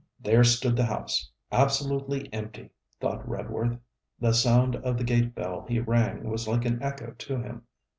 There stood the house. Absolutely empty! thought Redworth. The sound of the gate bell he rang was like an echo to him.